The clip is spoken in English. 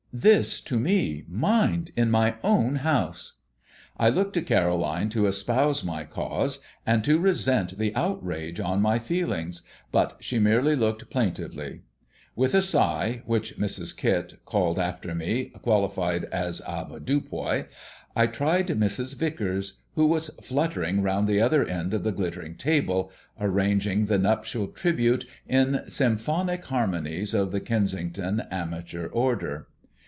This to me, mind, in my own house! I looked to Caroline to espouse my cause and to resent the outrage on my feelings; but she merely looked plaintively. With a sigh, which Mrs. Kit, calling after me, qualified as "avoirdupois," I tried Mrs. Vicars, who was fluttering round the other end of the glittering table, arranging the nuptial tribute in symphonic harmonies of the Kensington amateur order.